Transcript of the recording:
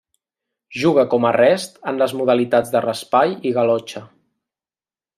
Juga com a rest en les modalitats de raspall i galotxa.